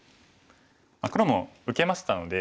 黒も受けましたので